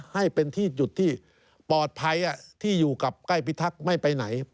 ให้เป็นที่จุดที่ปลอดภัยที่อยู่กับใกล้พิทักษ์ไม่ไปไหน